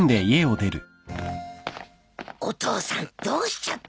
お父さんどうしちゃったんだろう。